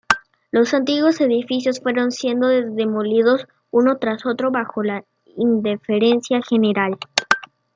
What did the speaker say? Los antiguos edificios fueron siendo demolidos uno tras otro bajo la indiferencia general.